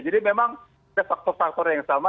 jadi memang ada faktor faktor yang sama